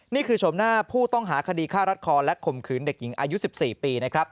นี่คือชมหน้าผู้ต้องหาคดีฆ่ารัดคอและคมคืนเด็กหญิงอายุ๑๔ปี